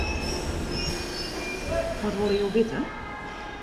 Wat wolle jo witte?